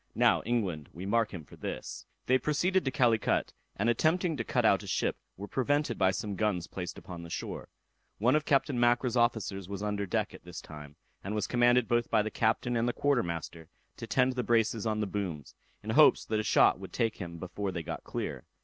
Now, England, we mark him for this." They proceeded to Calicut, and attempting to cut out a ship, were prevented by some guns placed upon the shore. One of Captain Mackra's officers was under deck at this time, and was commanded both by the captain and the quarter master to tend the braces on the booms, in hopes that a shot would take him before they got clear.